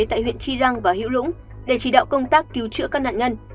tại huyện tri răng và hữu lũng để chỉ đạo công tác cứu trữa các nạn nhân